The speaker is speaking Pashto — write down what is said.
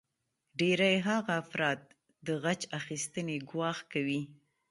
ډیری هغه افراد د غچ اخیستنې ګواښ کوي